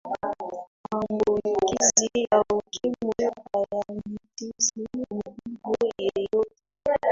maambukizi ya ukimwi hayamtishi mdudu yeyote